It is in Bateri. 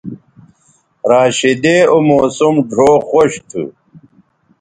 راشدے او موسم ڙھؤ خوش تھو